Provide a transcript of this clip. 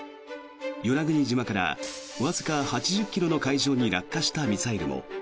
与那国島からわずか８０ｋｍの海上に落下したミサイルも。